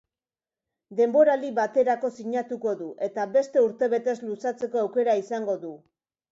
Denboraldi baterako sinatuko du, eta beste urtebetez luzatzeko aukera izango du.